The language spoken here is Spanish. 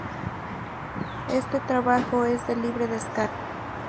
Este trabajo es de libre descarga.